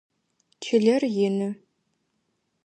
Чылэр ины.